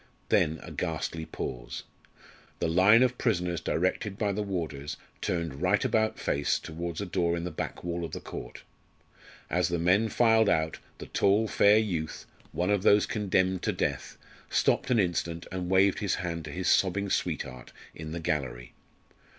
Then a ghastly pause. The line of prisoners directed by the warders turned right about face towards a door in the back wall of the court. As the men filed out, the tall, fair youth, one of those condemned to death, stopped an instant and waved his hand to his sobbing sweetheart in the gallery.